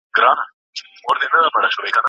ایا بهرني سوداګر انځر ساتي؟